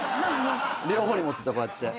両方に持ってたこうやって。